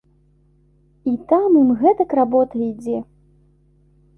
І там ім гэтак работа ідзе.